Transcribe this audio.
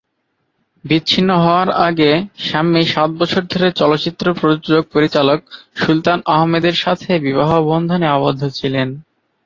বিচ্ছিন্ন হওয়ার আগে শাম্মী সাত বছর ধরে চলচ্চিত্র প্রযোজক পরিচালক সুলতান আহমেদের সাথে বিবাহ বন্ধনে আবদ্ধ ছিলেন।